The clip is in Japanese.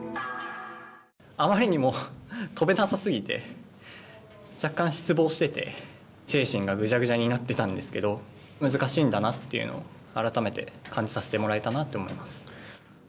あまりにも跳べなさすぎて、若干、失望してて、精神がぐじゃぐじゃになってたんですけど、難しいんだなっていうのを改めて感じさせてもらえたなと思います。